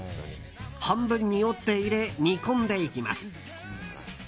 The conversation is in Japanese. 半分に折って入れ煮込んでいきます。